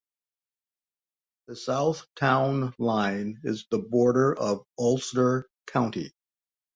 The south town line is the border of Ulster County.